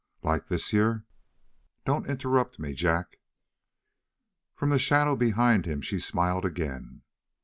"Like this year?" "Don't interrupt me, Jack!" From the shadow behind him she smiled again.